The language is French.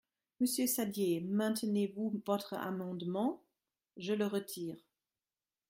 Monsieur Saddier, maintenez-vous votre amendement ? Je le retire.